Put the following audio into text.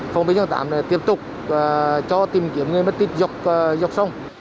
phòng bệnh trang tám tiếp tục cho tìm kiếm người mất tích dọc sông